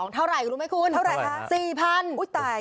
เท่าไหร่รู้ไหมคุณเท่าไหร่ฮะเท่าไหร่ฮะ